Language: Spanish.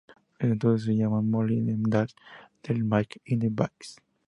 Desde entonces se llaman Molí de Dalt, del Mig i de Baix.